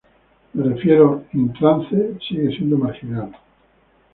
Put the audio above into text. Me refiero "In Trance" sigue siendo marginal.